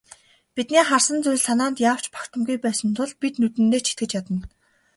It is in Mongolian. Бидний харсан зүйл санаанд яавч багтамгүй байсан тул бид нүдэндээ ч итгэж ядна.